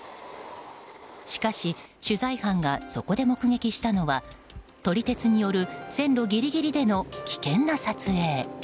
しかし、取材班がそこで目撃したのは撮り鉄による線路ギリギリでの危険な撮影。